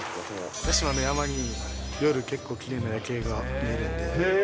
屋島の山に夜結構、きれいな夜景が見れて。